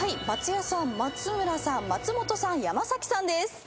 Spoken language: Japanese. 松也さん松村さん松本さん山さんです。